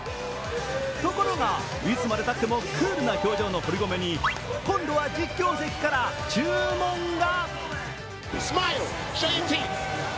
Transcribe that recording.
ところが、いつまでたってもクールな表情の堀米に今度は実況席から注文が。